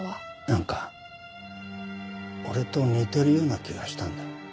なんか俺と似てるような気がしたんだ。